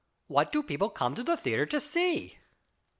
What do people come to the theatre to see